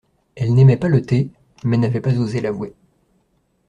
Elle n’aimait pas le thé, mais n’avait pas osé l’avouer.